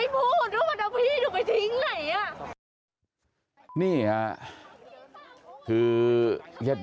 กลับไปลองกลับ